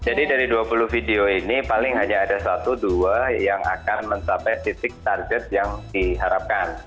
jadi dari dua puluh video ini paling hanya ada satu dua yang akan mencapai titik target yang diharapkan